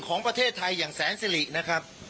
ของประเทศไทยอย่างแสนสิรินะครับ